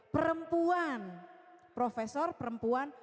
perempuan profesor perempuan